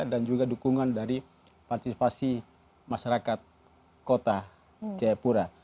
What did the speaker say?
dan juga dukungan dari partisipasi masyarakat kota jayapura